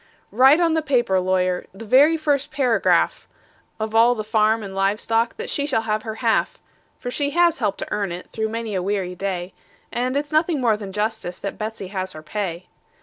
Write on the paper, lawyer the very first paragraph Of all the farm and live stock that she shall have her half; For she has helped to earn it, through many a weary day, And it's nothing more than justice that Betsey has her pay.